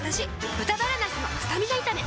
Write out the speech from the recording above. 「豚バラなすのスタミナ炒め」